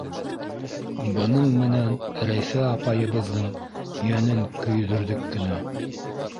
Бының менән Рәйфә апайыбыҙҙың йәнен көйҙөрҙөк кенә.